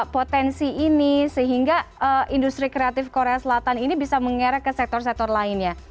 potensi ini sehingga industri kreatif korea selatan ini bisa mengerek ke sektor sektor lainnya